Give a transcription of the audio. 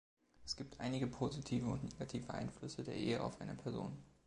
Es gibt einige positive und negative Einflüsse der Ehe auf eine Person.